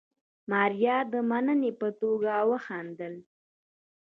ماريا د مننې په توګه وخندل.